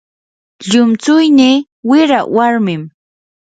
llumtsuynii wira warmim.